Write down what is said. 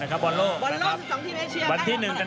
๑ฯกันยานี้นะครับ